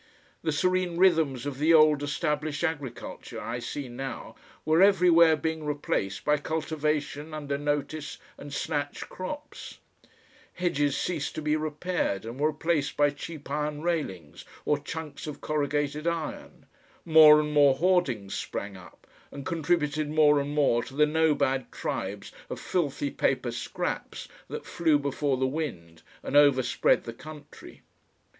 The serene rhythms of the old established agriculture, I see now, were everywhere being replaced by cultivation under notice and snatch crops; hedges ceased to be repaired, and were replaced by cheap iron railings or chunks of corrugated iron; more and more hoardings sprang up, and contributed more and more to the nomad tribes of filthy paper scraps that flew before the wind and overspread the country.